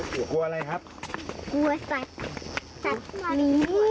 กลัวไหมกลัวอะไรครับกลัวสัตว์สัตว์หมี